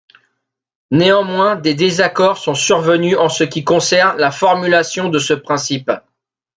Néanmoins, des désaccords sont survenus en ce qui concerne la formulation de ce principe.